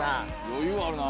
余裕あるな。